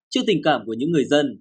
trước tình cảm của những người dân